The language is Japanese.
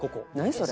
それ。